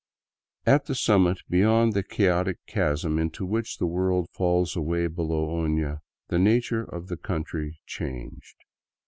"^^^ At the summit beyond the chaotic chasm into which the worM falls away below Ofia, the nature of the country changed.